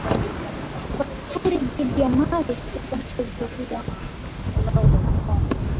kwa sifuri dhidi ya mali katika mchezo pia